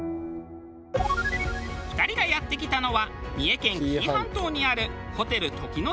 ２人がやって来たのは三重県紀伊半島にある。